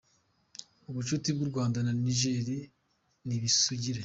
Ubucuti bw’u Rwanda na Niger nibusugire.